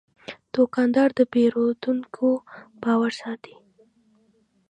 دوکاندار د پیرودونکو باور ساتي.